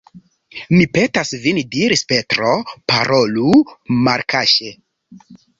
Mi petas vin diris Petro, parolu malkaŝe.